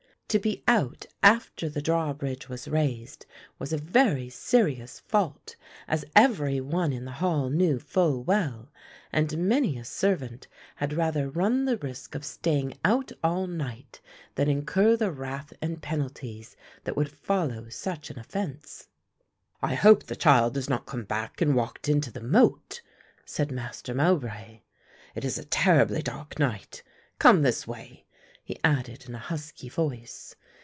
To be out after the drawbridge was raised was a very serious fault as every one in the Hall knew full well, and many a servant had rather run the risk of staying out all night than incur the wrath and penalties that would follow such an offence. "I hope the child has not come back and walked into the moat," said Master Mowbray. "It is a terribly dark night. Come this way," he added in a husky voice.